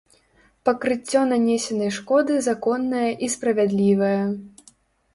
Пакрыццё нанесенай шкоды законнае і справядлівае.